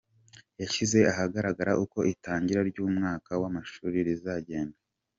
yashyize ahagaragara uko itangira ry’umwaka w’amashuri rizagenda